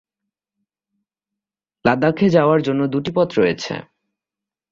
লাদাখে যাওয়ার জন্য দুটি পথ রয়েছে।